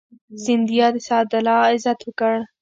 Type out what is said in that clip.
سیندیا د سعد الله عزت وکړ.